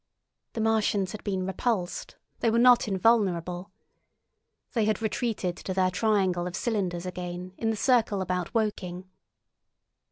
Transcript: The Martians had been repulsed; they were not invulnerable. They had retreated to their triangle of cylinders again, in the circle about Woking.